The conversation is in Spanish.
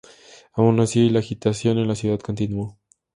Aun así, la agitación en la ciudad continuó.